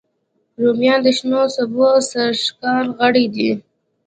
رومیان د شنو سبو سرښکاره غړی دی